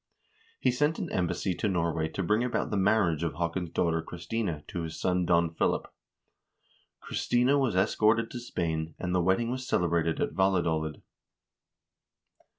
He sent an embassy to Norway to bring about the marriage of Haakon's daughter Christina to his son Don Philip. Christina was escorted to Spain, and the wedding was celebrated at Valadolid.